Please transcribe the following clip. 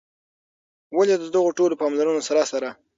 ولي د دغو ټولو پاملرونو سره سره